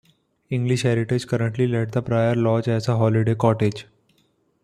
English Heritage currently let the Prior's Lodge as a holiday cottage.